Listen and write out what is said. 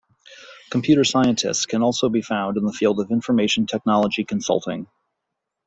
Computer scientists can also be found in the field of information technology consulting.